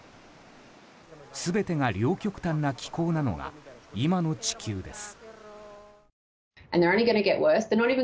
全てが両極端な気候なのが今の地球です。